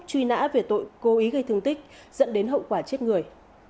truy nã về tội cố ý gây thương tích dẫn đến hậu quả chết người